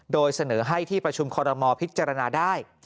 โดยเสนอให้ที่ประชุมคอรมอลพิจารณาได้